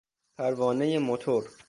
پروانهی موتور